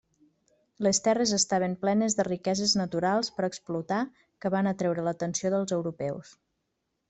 Les terres estaven plenes de riqueses naturals per explotar que van atreure l'atenció dels europeus.